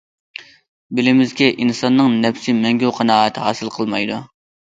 بىلىمىزكى، ئىنساننىڭ نەپسى مەڭگۈ قانائەت ھاسىل قىلمايدۇ.